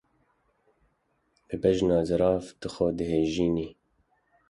Bi bejna zirav tu xwe dihejînî.